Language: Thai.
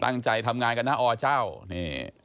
ตั้งใจทำงานกันนะอเจ้านี่